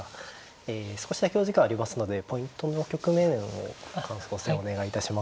え少しだけお時間ありますのでポイントの局面を感想戦お願いいたします。